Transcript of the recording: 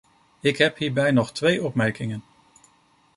Ik heb hierbij nog twee opmerkingen.